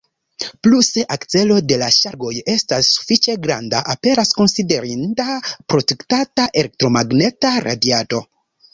Plu, se akcelo de la ŝargoj estas sufiĉe granda, aperas konsiderinda produktata elektromagneta radiado.